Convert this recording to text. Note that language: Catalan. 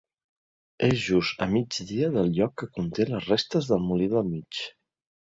És just a migdia del lloc que conté les restes del Molí del Mig.